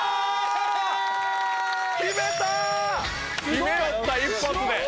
決めよった一発で！